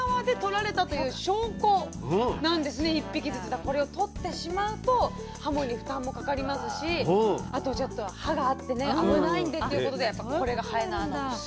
だからこれをとってしまうとはもに負担もかかりますしあとちょっと歯があってね危ないんでっていうことでこれが延縄の。